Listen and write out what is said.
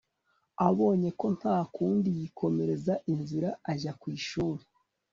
abonye ko ntakundi yikomereza inzira ajya kwishuri